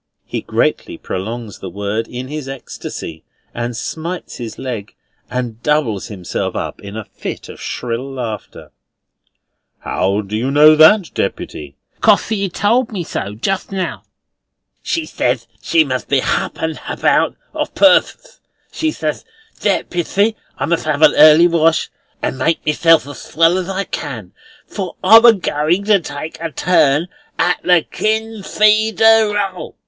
He greatly prolongs the word in his ecstasy, and smites his leg, and doubles himself up in a fit of shrill laughter. "How do you know that, Deputy?" "Cos she told me so just now. She said she must be hup and hout o' purpose. She ses, 'Deputy, I must 'ave a early wash, and make myself as swell as I can, for I'm a goin' to take a turn at the KIN FREE DER EL!